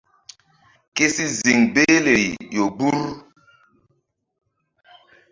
Ke si ziŋ behleri ƴo gbur.